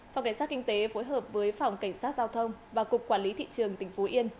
phòng cảnh sát kinh tế phối hợp với phòng cảnh sát giao thông và cục quản lý thị trường tỉnh phú yên